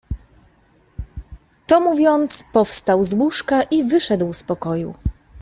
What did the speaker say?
To mówiąc powstał z łóżka i wyszedł z pokoju